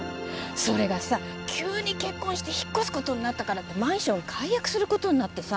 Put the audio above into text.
それがさ急に結婚して引っ越すことになったからってマンション解約することになってさ